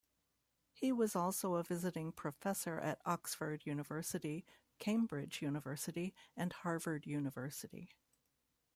He was also a visiting professor at Oxford University, Cambridge University and Harvard University.